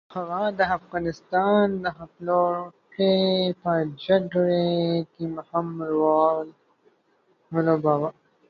هغه د افغانستان د خپلواکۍ په جګړه کې مهم رول ولوباوه.